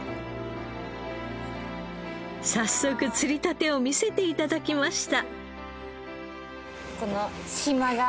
早速釣りたてを見せて頂きました。